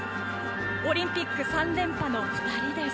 オリンピック３連覇の２人です。